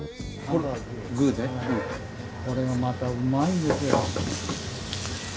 グーねこれがまたうまいんですよ。